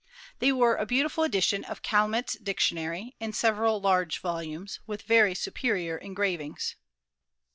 They were a beautiful edition of Calmet's Dictionary, in several large volumes, with very superior engravings.